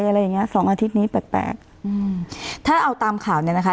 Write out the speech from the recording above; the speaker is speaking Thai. อะไรอย่างนี้๒อาทิตย์นี้แปลกถ้าเอาตามข่าวเนี่ยนะคะ